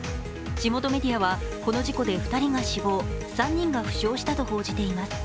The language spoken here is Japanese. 地元メディアはこの事故で２にが死亡、３人が負傷したと報じています。